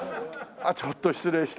ちょっと失礼して。